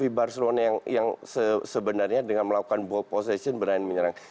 filosofi barcelona yang sebenarnya dengan melakukan ball possession benar benar menyerang